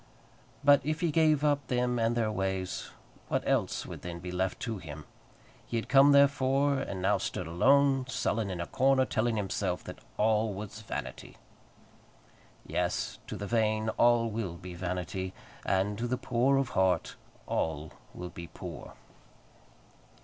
But if he gave up them and their ways, what else would then be left to him? He had come, therefore, and now stood alone, sullen, in a corner, telling himself that all was vanity. Yes; to the vain all will be vanity; and to the poor of heart all will be poor.